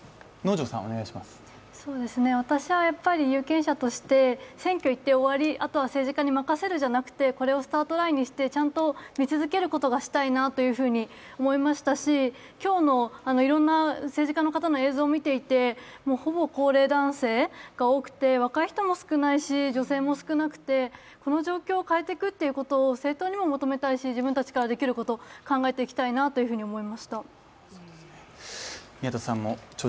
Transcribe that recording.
私は有権者として選挙行って終わり、あとは政治家に任せるじゃなくてこれをスタートラインにしてちゃんと見続けることがしたいなと思いましたし、今日のいろんな政治家の方の映像を見ていてほぼ高齢男性が多くて、若い人も少ないし女性も少なくてこの状況を変えていくということを政党にも求めたいし自分たちからできることを考えていきたいなと思いました。